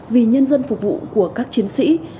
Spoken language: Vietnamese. vì nhân dân phục vụ của các chiến sĩ